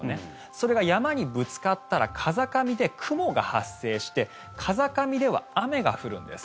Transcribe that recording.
それが山にぶつかったら風上で雲が発生して風上では雨が降るんです。